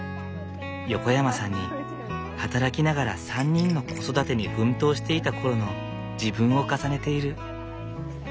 横山さんに働きながら３人の子育てに奮闘していた頃の自分を重ねている。